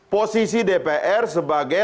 posisi dpr sebagai